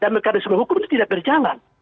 dan mekanisme hukum itu tidak berjalan